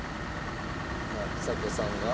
さあちさ子さんが。